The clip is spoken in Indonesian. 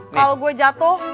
kalau gue jatuh